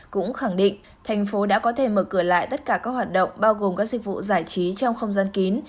cũng khẳng định thành phố đã có thể mở cửa lại tất cả các hoạt động bao gồm các dịch vụ giải trí trong không gian kín